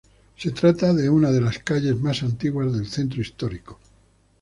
Se trata de una de las calles más antiguas del centro histórico.